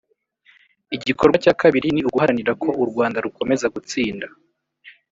Igikorwa cya kabiri ni uguharanira ko u Rwanda rukomeza gutsinda